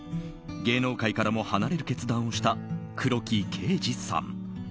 芸能界からも離れる決断をした黒木啓司さん。